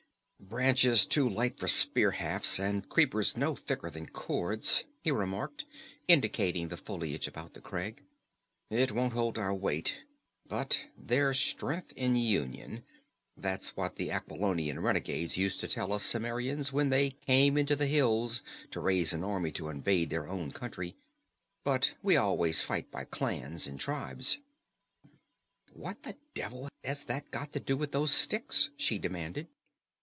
"Branches too light for spear hafts, and creepers no thicker than cords," he remarked, indicating the foliage about the crag. "It won't hold our weight but there's strength in union. That's what the Aquilonian renegades used to tell us Cimmerians when they came into the hills to raise an army to invade their own country. But we always fight by clans and tribes." "What the devil has that got to do with those sticks?" she demanded.